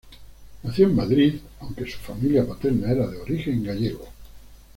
Nació en Madrid, aunque su familia paterna era de origen gallego.